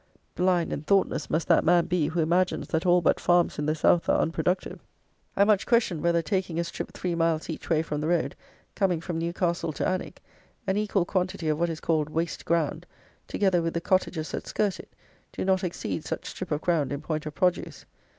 Blind and thoughtless must that man be who imagines that all but farms in the South are unproductive. I much question whether, taking a strip three miles each way from the road, coming from Newcastle to Alnwick, an equal quantity of what is called waste ground, together with the cottages that skirt it, do not exceed such strip of ground in point of produce.